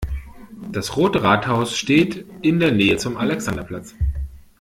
Das Rote Rathaus steht in der Nähe zum Alexanderplatz.